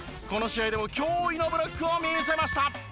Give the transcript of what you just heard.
この試合でも驚異のブロックを見せました。